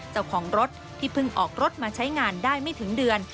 เจ้าของรถที่เพิ่งออกรถมาใช้งานได้ไม่ถึงเดือน